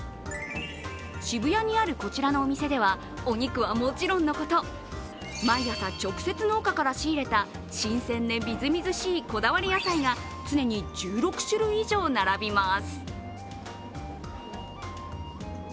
渋谷にあるこちらのお店ではお肉はもちろんのこと毎朝、直接農家から仕入れた新鮮でみずみずしいこだわり野菜が常に１６種類以上並びます。